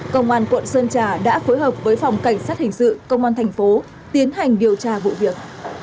công an quận sơn trà đã phối hợp với phòng cảnh sát hình sự công an thành phố tiến hành điều tra vụ việc